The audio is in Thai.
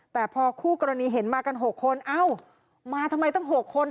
แต่พอคู่กรณีเห็นมากัน๖คนเอ้ามาทำไมตั้ง๖คน